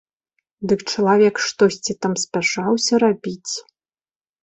Дык чалавек штосьці там спяшаўся рабіць.